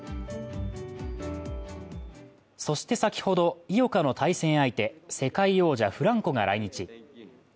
そして、先ほど、井岡の対戦相手、世界王者・フランコが来日。